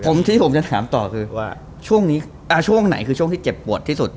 ผมที่จะถามต่อคือช่วงไหนคือช่วงที่เจ็บปวดที่สุด